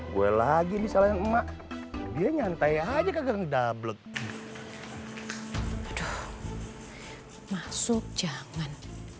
gue lagi bisa lain emak dia nyantai aja kagak dablek aduh masuk jangan